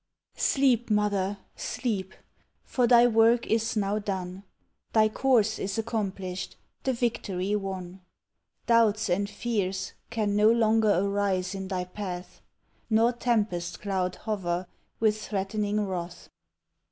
Sleep, mother, sleep, for thy work is now done, Thy course is accomplished, the victory won! Doubts and fears can no longer arise in thy path, Nor tempest cloud hover with threatening wrath.